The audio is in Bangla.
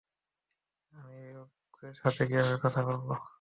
আমি এই লোকেদের সাথে কীভাবে কথা বলব?